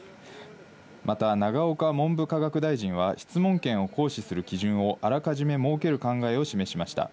また永岡文部科学大臣は、質問権を行使する基準をあらかじめ設ける考えを示しました。